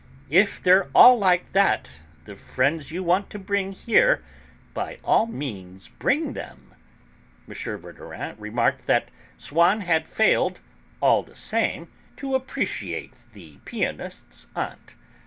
If they're all like that, the friends you want to bring here, by all means bring them." M. Verdurin remarked that Swann had failed, all the same, to appreciate the pianist's aunt.